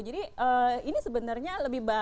jadi ini sebenarnya lebih banyak